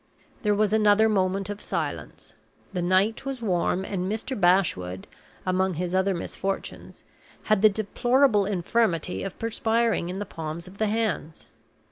There was another moment of silence. The night was warm, and Mr. Bashwood, among his other misfortunes, had the deplorable infirmity of perspiring in the palms of the hands.